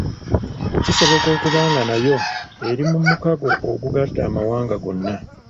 Kisoboka okuba nga nayo eri mu mukago ogugatta amawanga gonna.